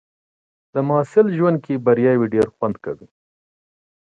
د محصل ژوند کې بریاوې ډېرې خوږې وي.